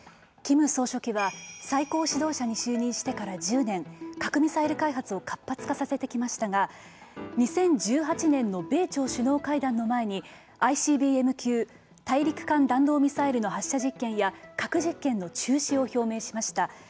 キム総書記は最高指導者に就任してから１０年核・ミサイル開発を活発化させてきましたが２０１８年の米朝首脳会談の前にＩＣＢＭ級＝大陸間弾道ミサイルの発射実験や核実験の中止を表明しました。